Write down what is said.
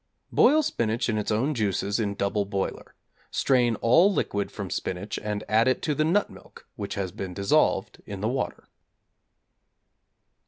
Boil spinach in its own juices in double boiler; strain all liquid from spinach and add it to the nut milk which has been dissolved in the water.